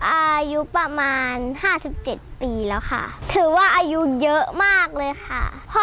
อายุประมาณ๕๗ปีถือว่าอายุเยอะมากเลยค่ะ